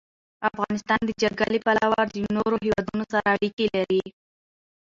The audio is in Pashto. افغانستان د جلګه له پلوه له نورو هېوادونو سره اړیکې لري.